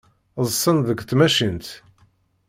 Ḍḍsen deg tmacint.